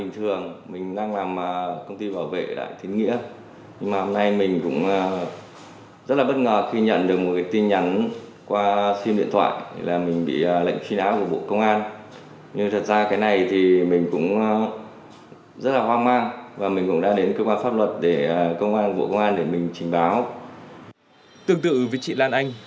tương tự với chị lan anh